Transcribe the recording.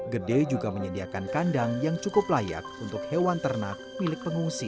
gede juga menyediakan kandang yang cukup layak untuk hewan ternak milik pengungsi